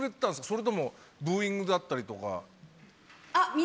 それともブーイングだったりとか？